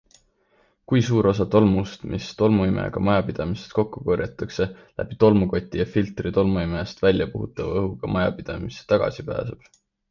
Kui suur osa tolmust, mis tolmuimejaga majapidamisest kokku korjatakse, läbi tolmukoti ja filtri tolmuimejast väljapuhutava õhuga majapidamisse tagasi pääseb?